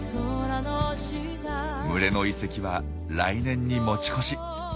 群れの移籍は来年に持ち越し。